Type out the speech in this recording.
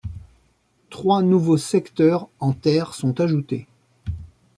Trois nouveaux secteur en terre sont ajoutés.